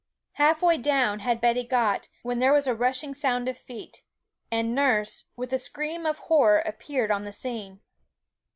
Half way down had Betty got, when there was a rushing sound of feet, and nurse, with a scream of horror appeared on the scene.